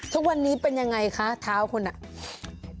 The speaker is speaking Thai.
ทุกวันนี้เป็นอย่างไรคะขนาดเท้าของคุณ